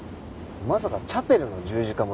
まさかチャペルの十字架もダメ？